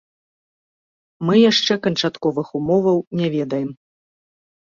Мы яшчэ канчатковых умоваў не ведаем.